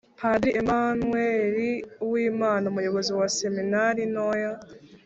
padiri emanweli uwimana, umuyobozi wa seminari ntoya